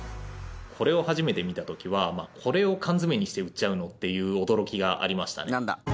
これを初めて見た時はこれを缶詰にして売っちゃうの？っていう驚きがありましたね。